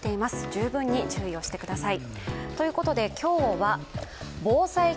十分に注意をしてください。